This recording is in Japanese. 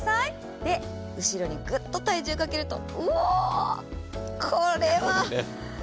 で、後ろにグッと体重をかけるとううっ、これは！